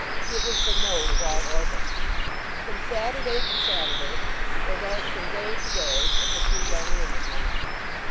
It was the node of all orbits. From Saturday to Saturday was as from day to day with the two young women now.